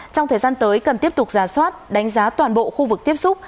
trong thời gian tới cần tiếp tục giả soát đánh giá toàn bộ khu vực tiếp xúc